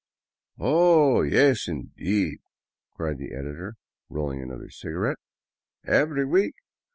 " Oh, yes, indeed !" cried the editor, rolling another cigarette, " Every week.